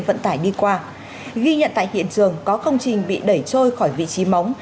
vận tải đi qua ghi nhận tại hiện trường có công trình bị đẩy trôi khỏi vị trí móng